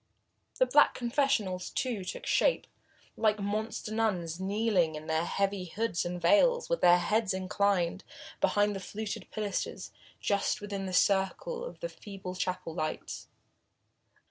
The black confessionals, too, took shape, like monster nuns, kneeling in their heavy hoods and veils, with heads inclined, behind the fluted pilasters, just within the circle of the feeble chapel lights.